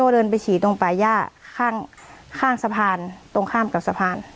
เดินไปฉี่ตรงป่าย่าข้างสะพานตรงข้ามกับสะพาน